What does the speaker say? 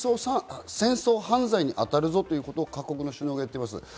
戦争犯罪にあたるぞということを各国の首脳が言っています。